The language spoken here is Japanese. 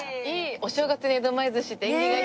お正月に江戸前寿司って縁起がいい。